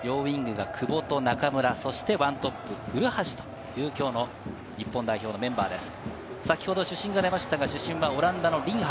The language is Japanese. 両ウイングが久保と中村、そして１トップ・古橋という、きょうの日本代表のメンバーです。